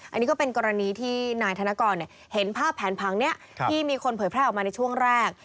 อันนี้ก็เป็นกรณีที่นายธนกรเห็นภาพแผนพังนี้ที่มีคนเผยแพร่ออกมาในช่วงแรก